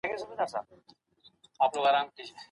نظام د خلګو په منځ کي محبوبیت نه لري.